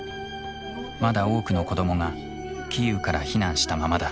まだ多くの子供がキーウから避難したままだ。